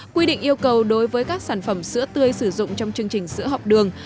quy định yêu cầu đối với các sản phẩm sữa tươi sử dụng trong chương trình sữa học đường